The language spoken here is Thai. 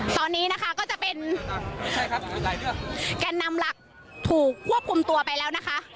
ตอนนี้นะคะก็จะเป็นใช่ครับแกนนำหลักถูกควบคุมตัวไปแล้วนะคะ